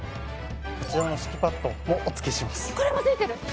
こちらの敷きパッドもお付けします。